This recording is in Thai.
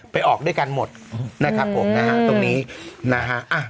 ออกด้วยกันหมดนะครับผมนะฮะตรงนี้นะฮะ